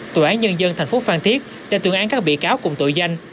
tội án nhân dân tp phan thiết đã tuyên án các bị cáo cùng tội danh